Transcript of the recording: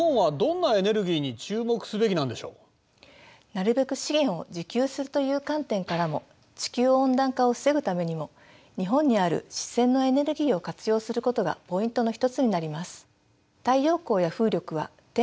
なるべく資源を自給するという観点からも地球温暖化を防ぐためにも日本にある自然のエネルギーを活用することがポイントの一つになります。